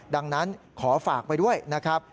ดังนั้นขอฝากไปด้วยนะครับ